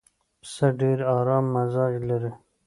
پسه ډېر ارام مزاج لري.